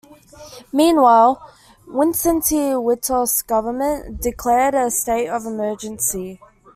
Meanwhile, Wincenty Witos' government declared a state of emergency.